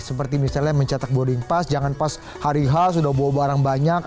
seperti misalnya mencetak boarding pass jangan pas hari h sudah bawa barang banyak